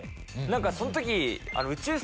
何かその時。